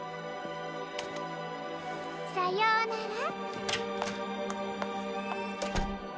さようなら。